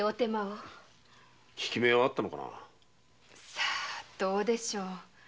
さあどうでしょう